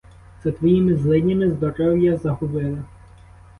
За твоїми злиднями здоров'я загубила.